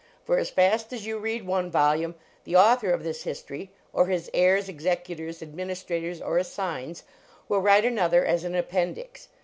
For as fast as you read one volume, the author of this history, or his heirs, executors, administrators, or assigns, will write another as an appendix.